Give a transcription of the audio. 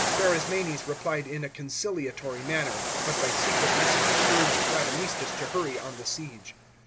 Pharasmanes replied in a conciliatory manner, but by secret messages urged Radamistus to hurry on the siege.